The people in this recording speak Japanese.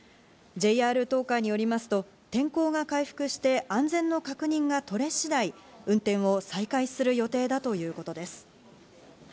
ＪＲ東海によりますと、天候が回復して安全の確認が取れ次第、運転を再開する予定だということです。